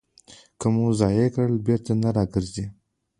که مو ضایع کړ، بېرته نه راګرځي.